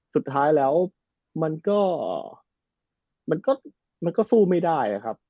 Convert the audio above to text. สุดท้ายแล้วมันก็มันก็สู้ไม่ได้ครับ